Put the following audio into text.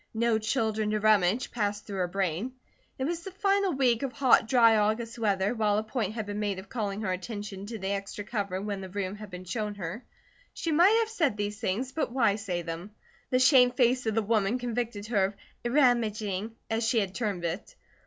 "No children to rummage," passed through her brain. It was the final week of hot, dry August weather, while a point had been made of calling her attention to the extra cover when the room had been shown her. She might have said these things, but why say them? The shamed face of the woman convicted her of "rummaging," as she had termed it.